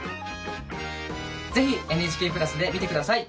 ぜひ「ＮＨＫプラス」で見て下さい。